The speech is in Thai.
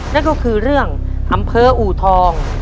นั่นก็คือเรื่องอำเภออูทอง